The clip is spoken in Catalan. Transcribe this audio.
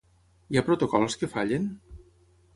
Hi ha protocols que fallen?